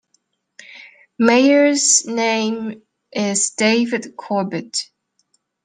Mayors name is David Corbitt.